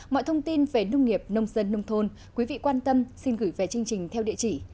mọi thông tin về nông nghiệp nông dân nông thôn quý vị quan tâm xin gửi về chương trình theo địa chỉ